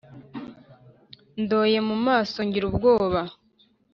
Ndoye mu maso ngira ubwoba :